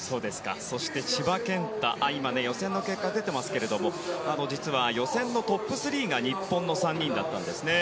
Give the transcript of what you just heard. そして今、予選の結果が出ていますが実は予選のトップ３が日本の３人だったんですね。